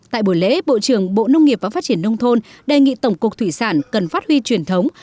tại buổi lễ bộ trưởng bộ nông nghiệp và phát triển nông thôn đề nghị tổng cục thủy sản cần phát huy truyền thống